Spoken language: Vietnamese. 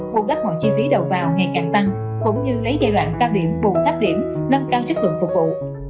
bùn đất mọi chi phí đầu vào ngày càng tăng cũng như lấy giai đoạn cao điểm bùn thấp điểm nâng cao chất lượng phục vụ